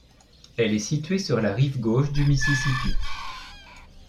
Elle est située sur la rive gauche du Mississippi.